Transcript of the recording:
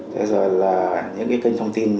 thế rồi là những cái kênh thông tin